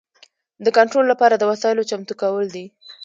د کنټرول لپاره د وسایلو چمتو کول دي.